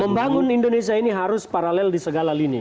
membangun indonesia ini harus paralel di segala lini